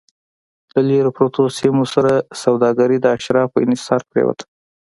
له لرې پرتو سیمو سره سوداګري د اشرافو انحصار پرېوته